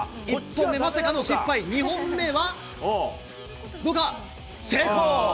まさかの失敗、２本目はどうか、成功。